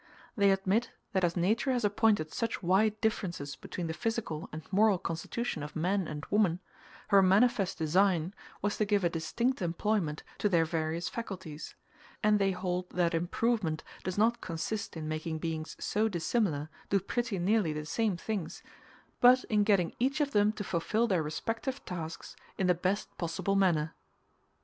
They admit, that as nature has appointed such wide differences between the physical and moral constitution of man and woman, her manifest design was to give a distinct employment to their various faculties; and they hold that improvement does not consist in making beings so dissimilar do pretty nearly the same things, but in getting each of them to fulfil their respective tasks in the best possible manner.